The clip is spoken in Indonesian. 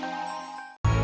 kakak bahkan lebih escot